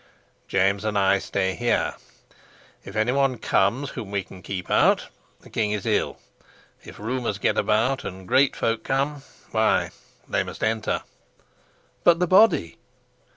"James and I stay here. If any one comes whom we can keep out, the king is ill. If rumors get about, and great folk come, why, they must enter." "But the body?"